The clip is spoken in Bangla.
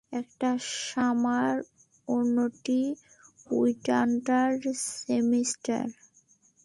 একটি সামার, অন্যটি উইন্টার সেমিস্টার।